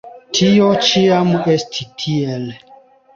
Tio ĉiam estis tiel.